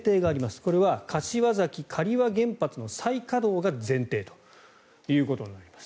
これは柏崎刈羽原発の再稼働が前提ということになります。